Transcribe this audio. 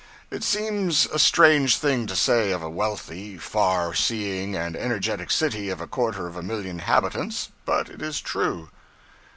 It seems a strange thing to say of a wealthy, far seeing, and energetic city of a quarter of a million inhabitants, but it is true.